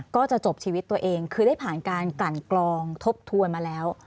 ก็จะจบชีวิตตัวเองคือได้ผ่านการกลั่นกลองทบทวนมาแล้ว